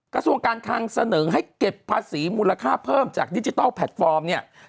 กระทรวงการคังเสนอให้เก็บภาษีมูลค่าเพิ่มจากดิจิทัลแพลตฟอร์มเนี่ย